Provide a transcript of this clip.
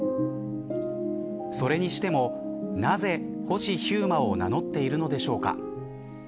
それにしても、なぜ星飛雄馬を名乗っているのでしょうか。